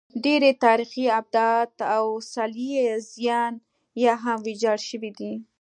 ډېری تاریخي ابدات او څلي یې زیان یا هم ویجاړ شوي دي